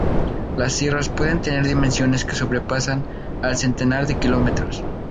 Las sierras pueden tener dimensiones que sobrepasan el centenar de kilómetros.